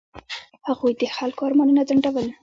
هغوی د خلکو ارمانونه ځنډول.